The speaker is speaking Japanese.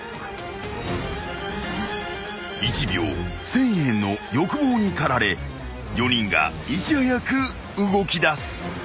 ［１秒１，０００円の欲望に駆られ４人がいち早く動きだす］